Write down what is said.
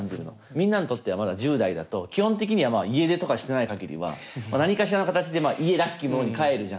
みんなにとってはまだ１０代だと基本的には家出とかしてない限りは何かしらの形で家らしきものに帰るじゃん。